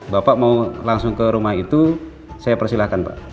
bapak mau langsung ke rumah itu saya persilahkan pak